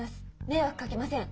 迷惑かけません。